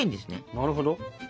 なるほど。